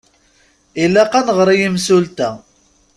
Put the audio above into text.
Ilaq ad nɣeṛ i yimsulta.